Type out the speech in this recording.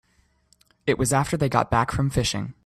It was after they got back from fishing.